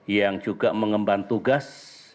yang juga mengemban tugas